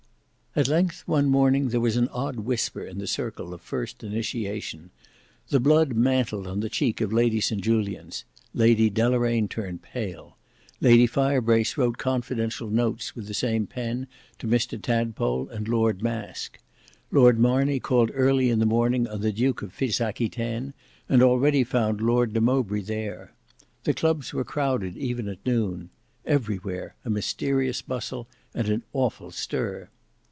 At length one morning there was an odd whisper in the circle of first initiation. The blood mantled on the cheek of Lady St Julians; Lady Deloraine turned pale. Lady Firebrace wrote confidential notes with the same pen to Mr Tadpole and Lord Masque. Lord Marney called early in the morning on the Duke of Fitz Aquitaine, and already found Lord de Mowbray there. The clubs were crowded even at noon. Everywhere a mysterious bustle and an awful stir.